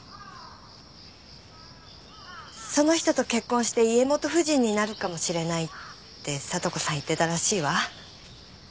その人と結婚して家元夫人になるかもしれないって聡子さん言ってたらしいわ。